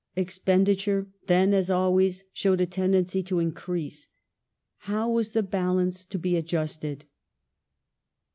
Expenditure, then as always, showed a tendency to increase ; how was the balance to be adjusted